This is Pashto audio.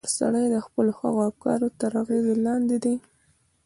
هر سړی د خپلو هغو افکارو تر اغېز لاندې دی.